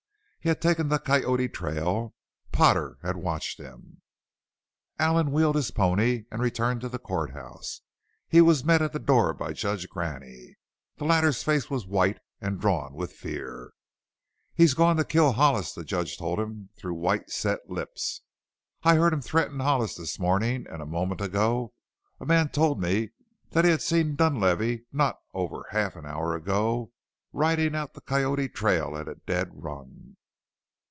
He had taken the Coyote trail Potter had watched him. Allen wheeled his pony and returned to the court house. He was met at the door by Judge Graney. The latter's face was white and drawn with fear. "He's gone to kill Hollis!" the judge told him through white, set lips. "I heard him threaten Hollis this morning and a moment ago a man told me that he had seen Dunlavey, not over half an hour ago, riding out the Coyote trail at a dead run!"